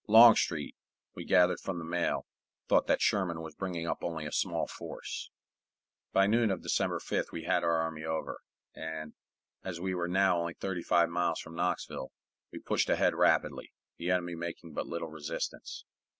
Longstreet, we gathered from the mail, thought that Sherman was bringing up only a small force. By noon of December 5th we had our army over, and, as we were now only thirty five miles from Knoxville, we pushed ahead rapidly, the enemy making but little resistance.